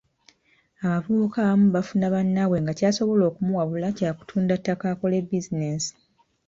Abavubuka abamu bafuna bannaabwe nga ky’asobola okumuwabula kya kutunda ttaka akole bizinensi.